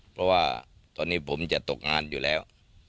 เพราะว่าตอนนี้ผมจะตกงานอยู่แล้ว